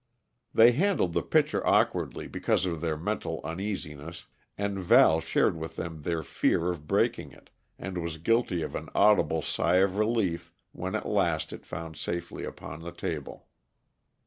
They handled the pitcher awkwardly because of their mental uneasiness, and Val shared with them their fear of breaking it, and was guilty of an audible sigh of relief when at last it found safety upon the table.